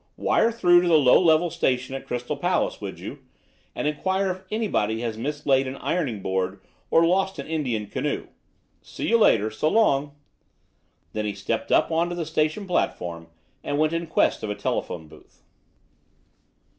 "Wire through to the Low Level station at Crystal Palace, will you? and inquire if anybody has mislaid an ironing board or lost an Indian canoe. See you later. So long." Then he stepped up on to the station platform, and went in quest of a telephone booth.